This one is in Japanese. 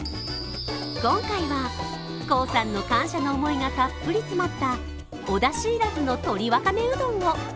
今回は、コウさんの感謝の思いがたっぷり詰まったおだしいらずの鶏わかめうどんを。